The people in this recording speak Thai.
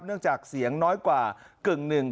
เนื่องจากเสียงน้อยกว่ากึ่งหนึ่ง